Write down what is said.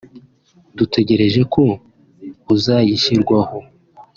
dutegereje ko uzashyirwaho